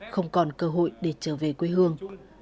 không còn cơ hội để trở về quê hương